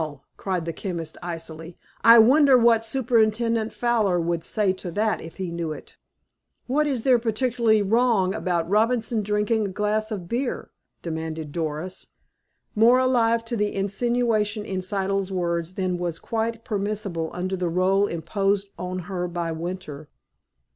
cried the chemist icily, "I wonder what Superintendent Fowler would say to that if he knew it?" "What is there particularly wrong about Robinson drinking a glass of beer?" demanded Doris, more alive to the insinuation in Siddle's words than was quite permissible under the role imposed on her by Winter.